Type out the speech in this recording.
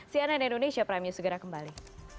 cnn indonesia prime news segera kembali